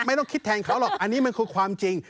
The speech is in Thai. ไม่ต้องคิดแทนเขาหรอกอันนี้มันคือความจริง